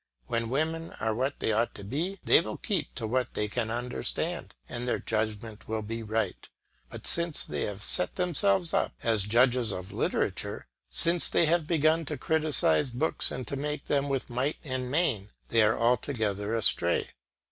When women are what they ought to be, they will keep to what they can understand, and their judgment will be right; but since they have set themselves up as judges of literature, since they have begun to criticise books and to make them with might and main, they are altogether astray.